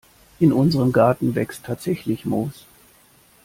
In unserem Garten wächst tatsächlich Moos.